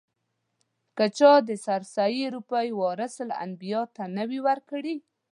که چا د سرسایې روپۍ ورثه الانبیاوو ته ور نه کړې.